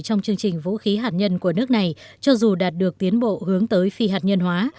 trong chương trình vũ khí hạt nhân của nước này cho dù đạt được tiến bộ hướng tới phi hạt nhân hóa